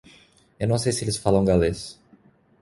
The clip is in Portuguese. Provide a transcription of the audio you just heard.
Eu não sei se eles falam galês.